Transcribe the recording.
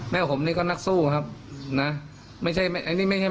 มันส่งผลต่อการดำเนินคดีแน่นอนครับ